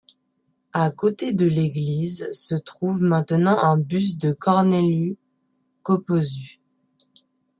À côté de l'église se trouve maintenant un buste de Corneliu Coposu.